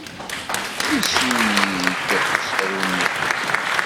Yessru-iyi-d usaru-nni.